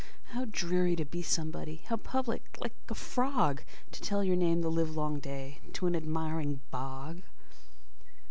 How dreary to be somebody! How public, like a frogTo tell your name the livelong dayTo an admiring bog!